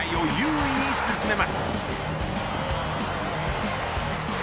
試合を優位に進めます。